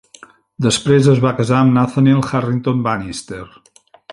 Després es va casar amb Nathaniel Harrington Bannister.